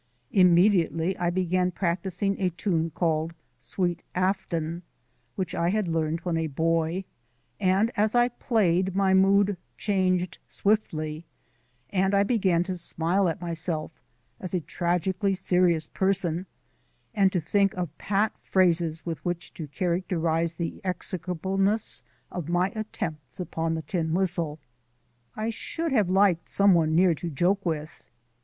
Immediately I began practising a tune called "Sweet Afton," which I had learned when a boy; and, as I played, my mood changed swiftly, and I began to smile at myself as a tragically serious person, and to think of pat phrases with which to characterize the execrableness of my attempts upon the tin whistle. I should have liked some one near to joke with.